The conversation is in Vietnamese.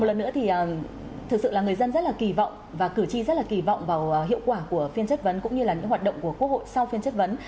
một lần nữa thì thực sự là người dân rất là kỳ vọng và cử tri rất là kỳ vọng vào hiệu quả của phiên chất vấn cũng như là những hoạt động của quốc hội sau phiên chất vấn